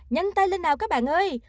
nhanh tay lên nào các bạn ơi